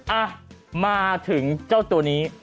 อ่ะมาถึงเจ้าตัวนี้